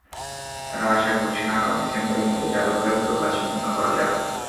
তাঁরা আশা করছেন আগামী ডিসেম্বরের মধ্যে জাদুঘরের পুরো কাজ সম্পন্ন করা যাবে।